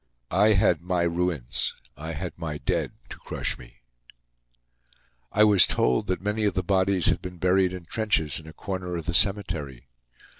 I had my ruins, I had my dead, to crush me. I was told that many of the bodies had been buried in trenches in a corner of the cemetery.